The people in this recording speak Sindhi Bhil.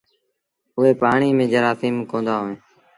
اُئي پآڻيٚ ميݩ جرآسيٚم ڪوندآ هوئيݩ۔